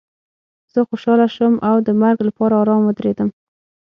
زه خوشحاله شوم او د مرګ لپاره ارام ودرېدم